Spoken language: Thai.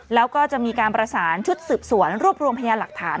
แล้วก็จะมีการประสานชุดสืบสวนรวบรวมพยานหลักฐาน